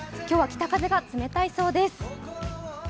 今日は北風が冷たいそうです。